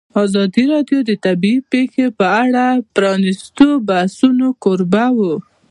ازادي راډیو د طبیعي پېښې په اړه د پرانیستو بحثونو کوربه وه.